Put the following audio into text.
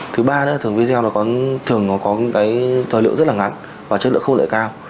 thứ ba đó là thường video nó có thường nó có cái thời liệu rất là ngắn và chất lượng không lợi cao